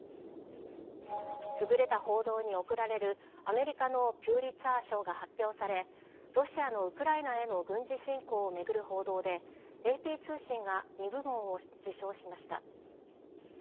優れた報道に贈られる、アメリカのピュリツァー賞が発表され、ロシアのウクライナへの軍事侵攻を巡る報道で、ＡＰ通信が２部門を受賞しました。